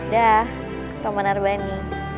daah temen temen arbani